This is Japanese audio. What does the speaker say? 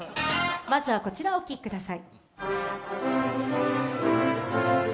まずはこちらをお聞きください。